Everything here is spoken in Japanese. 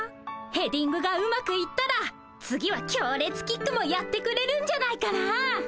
ヘディングがうまくいったら次はきょうれつキックもやってくれるんじゃないかな。